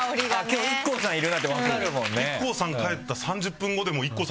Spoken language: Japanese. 今日ＩＫＫＯさんいるなって分かるもんね。